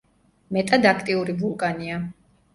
მეტად აქტიური ვულკანია.